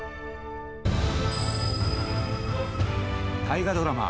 大河ドラマ